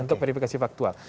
untuk verifikasi faktual